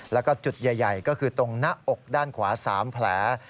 แล้วก็จุดใหญ่ก็คือตรงหน้าอกด้านขวา๓แผล